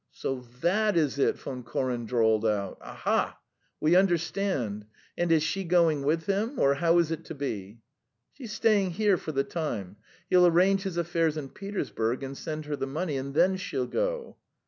"So that is it!" Von Koren drawled out. "Aha! ... We understand. And is she going with him, or how is it to be?" "She's staying here for the time. He'll arrange his affairs in Petersburg and send her the money, and then she'll go."